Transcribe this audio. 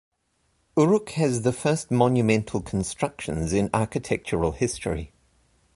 Uruk has the first monumental constructions in architectural history.